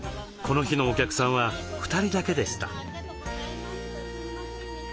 この日のお客さんは２人だけでした。